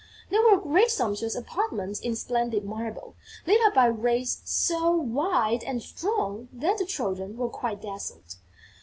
There were great sumptuous apartments in splendid marble, lit up by rays so white and strong that the children were quite dazzled.